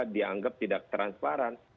dianggap tidak transparan